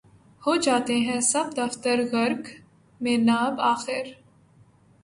ہو جاتے ہیں سب دفتر غرق مے ناب آخر